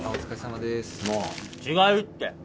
もう違うって！